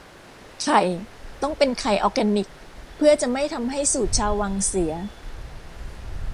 ไข่ต้องเป็นไข่ออแกนิคเพื่อจะไม่ทำให้สูตรชาววังเสีย